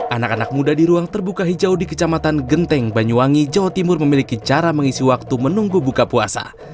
anak anak muda di ruang terbuka hijau di kecamatan genteng banyuwangi jawa timur memiliki cara mengisi waktu menunggu buka puasa